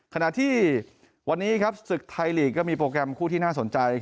ขณะที่วันนี้ครับศึกไทยลีกก็มีโปรแกรมคู่ที่น่าสนใจ